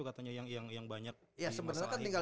katanya yang banyak di masalah ini ya sebenarnya kan tinggal